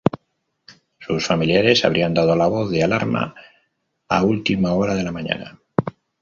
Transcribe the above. Sus familiares habrían dado la voz de alarma a última hora de la mañana.